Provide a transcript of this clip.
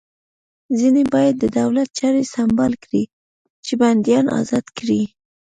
ځینې باید د دولت چارې سمبال کړي چې بندیان ازاد کړي